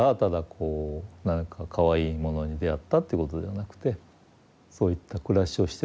こう何かかわいいものに出会ったっていうことではなくてそういった暮らしをしてるものが